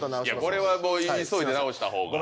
これは急いで直した方が。